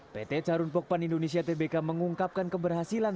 pt carun pokpan indonesia tbk mengungkapkan keberhasilan